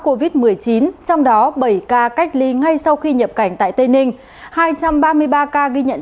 covid một mươi chín trong đó bảy ca cách ly ngay sau khi nhập cảnh tại tây ninh hai trăm ba mươi ba ca ghi nhận